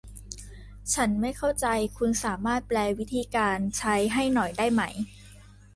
ฉันไม่เข้าใจ คุณสามารถแปลวิธีการใช้ให้หน่อยได้ไหม